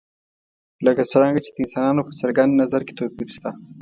لکه څرنګه چې د انسانانو په څرګند نظر کې توپیر شته.